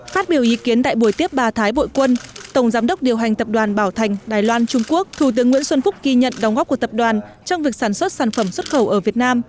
phát biểu ý kiến tại buổi tiếp bà thái bội quân tổng giám đốc điều hành tập đoàn bảo thành đài loan trung quốc thủ tướng nguyễn xuân phúc ghi nhận đóng góp của tập đoàn trong việc sản xuất sản phẩm xuất khẩu ở việt nam